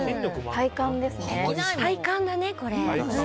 体幹だね、これ。